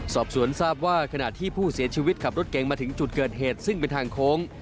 สอบสวนทราบว่าขณะที่ผู้เสียชีวิตขับรถเก๋งมาถึงจุดเกิดเหตุซึ่งเป็นทางโค้ง